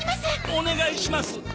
お願いします。